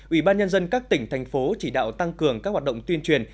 ủy ban nhân dân các tỉnh thành phố chỉ đạo tăng cường các hoạt động tuyên truyền